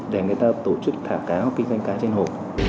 để người ta tổ chức thả cá kinh doanh cá trên hồ